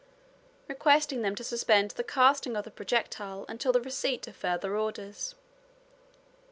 requesting them to suspend the casting of the projectile until the receipt of further orders.